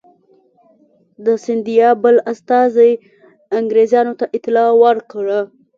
د سیندیا بل استازي انګرېزانو ته اطلاع ورکړه.